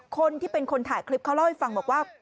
คนที่เป็นคนถ่ายคลิปเขาเล่าให้ฟังบอกว่า